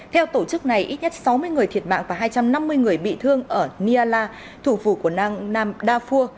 theo tổ chức này ít nhất sáu mươi người thiệt mạng và hai trăm năm mươi người bị thương ở niala thủ phủ của nang đa phua